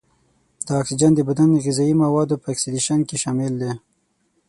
دا اکسیجن د بدن غذايي موادو په اکسیدیشن کې شامل دی.